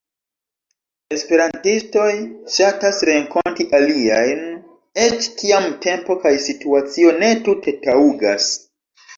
Esperantistoj ŝatas renkonti aliajn, eĉ kiam tempo kaj situacio ne tute taŭgas.